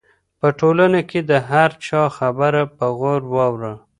په ټولنه کې د هر چا خبره په غور واوره.